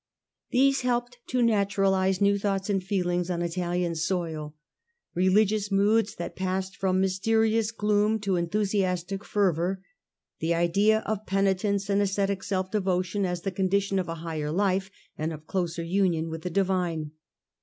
These helped to naturalize new thoughts and feelings on Italian soil, religious moods that passed from mysterious gloom to enthusiastic fervour, the idea of penitence and ascetic self devotion as the condition of a higher life and of closer union with the Divine.